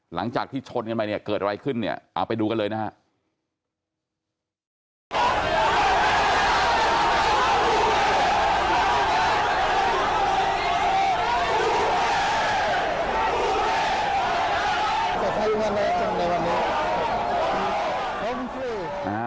หลังจากที่ชนกันไปเนี่ยเกิดอะไรขึ้นเนี่ยเอาไปดูกันเลยนะฮะ